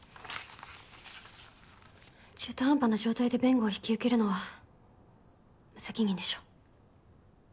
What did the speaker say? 中途半端な状態で弁護を引き受けるのは無責任でしょ。